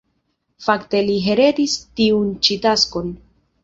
Fakte li heredis tiun ĉi taskon.